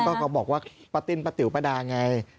ก็บอกว่าป้าติ้นป้าติ๋วป้าดาไง